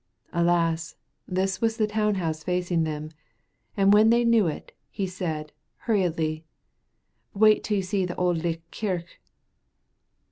Alas, this was the town house facing them, and when they knew it, he said, hurriedly, "Wait till you see the Auld Licht kirk."